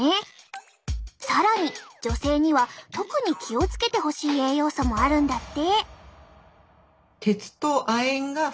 更に女性には特に気を付けてほしい栄養素もあるんだって。